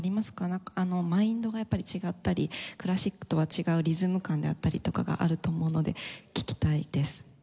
なんかあのマインドがやっぱり違ったりクラシックとは違うリズム感であったりとかがあると思うので聞きたいです。